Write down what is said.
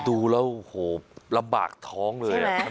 ดูแล้วโอ้โหลำบากท้องเลย